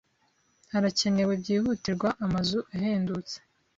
Harakenewe byihutirwa amazu ahendutse.